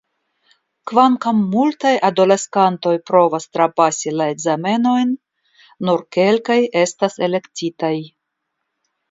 Kvankam multaj adoleskantoj provas trapasi la ekzamenojn nur kelkaj estas elektitaj.